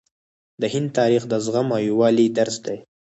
د هند تاریخ د زغم او یووالي درس دی.